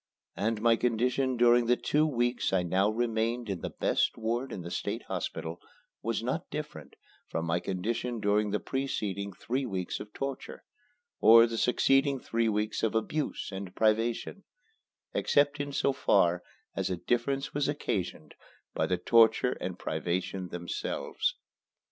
And my condition during the two weeks I now remained in the best ward in the State Hospital was not different from my condition during the preceding three weeks of torture, or the succeeding three weeks of abuse and privation, except in so far as a difference was occasioned by the torture and privation themselves.